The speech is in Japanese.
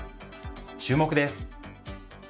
注目です。